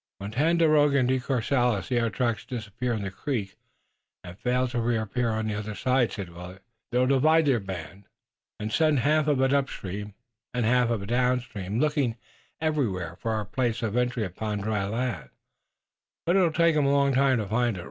"When Tandakora and De Courcelles see our traces disappear in the creek and fail to reappear on the other side," said Willet, "they'll divide their band and send half of it upstream, and half downstream, looking everywhere for our place of entry upon dry land, but it'll take 'em a long time to find it.